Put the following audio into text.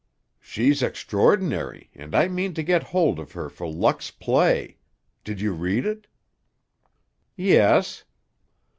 "She's extraordinary, and I mean to get hold of her for Luck's play. Did you read it?" "Yes."